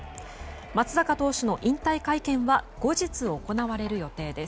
松坂投手の引退会見は後日行われる予定です。